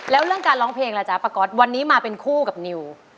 แล้วเรื่องการร้องเพลงล่ะจ๊ะป้าก๊อตวันนี้มาเป็นคู่กับนิว